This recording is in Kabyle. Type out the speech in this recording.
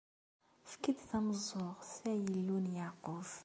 Efk-d tameẓẓuɣt, ay Illu n Yeɛqub!